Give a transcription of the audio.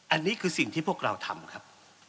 อันนี้คือสิ่งที่พวกเราทำครับ